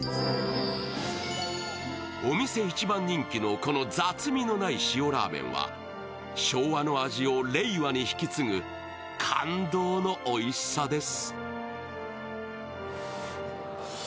お店一番人気の、この雑味のない塩ラーメンは、昭和の味を令和に引き継ぐ感動のおいしさです。